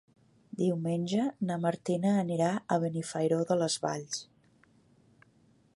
Diumenge na Martina anirà a Benifairó de les Valls.